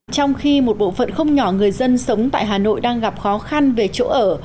trong khi một bộ phận không nhỏ người dân sống tại hà nội đang gặp khó khăn về chỗ ở